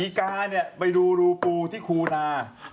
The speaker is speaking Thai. อีกาเนี่ยไปดูรูปูที่คูนา